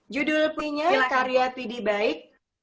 judul puisi nya karya pidi baik